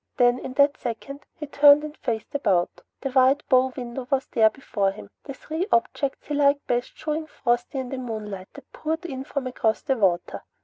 Then, in that second, he turned and faced about. The wide bow window was there before him, the three objects he liked best showing frosty in the moonlight that poured in from across the water.